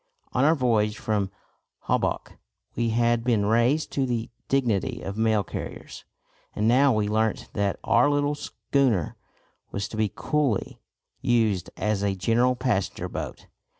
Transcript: On our voyage from Holboch we had been raised to the dignity of mail carriers; and now we learnt that our little schooner was to be coolly used as a general passenger boat.